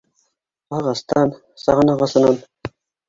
Ағастан, саған ағасынан.